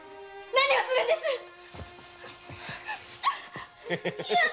何をするんですヘヘヘ